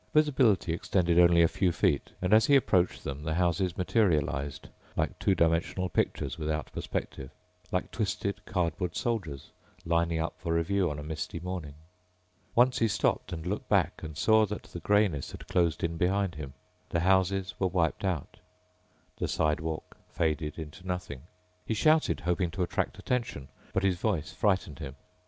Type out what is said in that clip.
Visibility extended only a few feet and as he approached them the houses materialized like two dimensional pictures without perspective, like twisted cardboard soldiers lining up for review on a misty morning. Once he stopped and looked back and saw that the grayness had closed in behind him. The houses were wiped out, the sidewalk faded into nothing. He shouted, hoping to attract attention. But his voice frightened him.